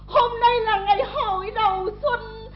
hôm nay là ngày hội đầu xuân